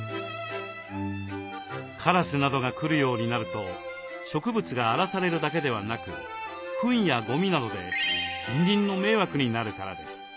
カラスなどが来るようになると植物が荒らされるだけではなくフンやゴミなどで近隣の迷惑になるからです。